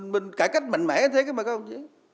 mình cải cách mạnh mẽ thế mà không chứ